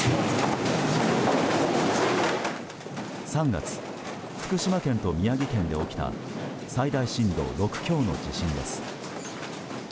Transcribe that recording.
３月、福島県と宮城県で起きた最大震度６強の地震です。